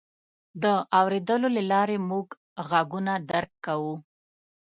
د اورېدلو له لارې موږ غږونه درک کوو.